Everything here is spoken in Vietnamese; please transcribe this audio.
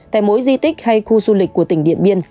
tại mỗi di tích hay khu du lịch của tỉnh điện biên